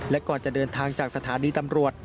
และก่อนจะเดินทางจากสถานีตำรวจ